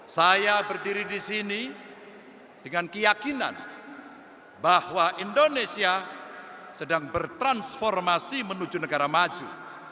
saya berdiri di sini dengan keyakinan bahwa indonesia sedang bertransformasi menuju negara maju